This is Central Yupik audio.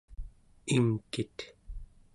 ingkit